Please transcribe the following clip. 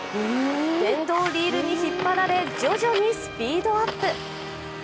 電動リールに引っ張られ徐々にスピードアップ。